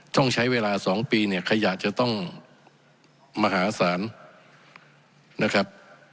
ต้องใช้เวลา๒ปีเนี่ยขยะจะต้องมหาศาลนะครับ